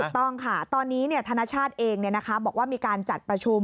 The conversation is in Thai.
ต้องค่ะตอนนี้ธนชาติเองบอกว่ามีการจัดประชุม